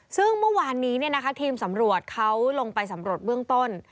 ซึ่งเมื่อวานนี้ทีมสำรวจเขาลงไปสำรวจเบื้องต้น